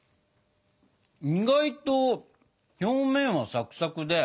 意外と表面はサクサクで。